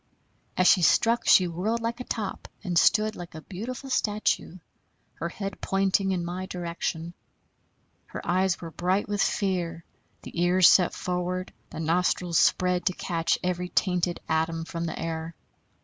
As she struck she whirled like a top and stood like a beautiful statue, her head pointing in my direction. Her eyes were bright with fear, the ears set forward, the nostrils spread to catch every tainted atom from the air.